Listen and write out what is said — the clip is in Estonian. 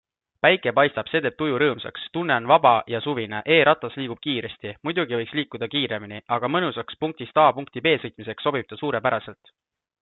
Päike paistab, see teeb tuju rõõmsaks, tunne on vaba ja suvine, eRatas liigub kiiresti - muidugi võiks liikuda kiiremini - aga mõnusaks punktist A punkti B sõitmiseks sobib ta suurepäraselt.